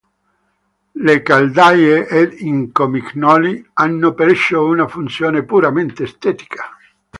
Le caldaie ed i comignoli hanno perciò una funzione puramente estetica.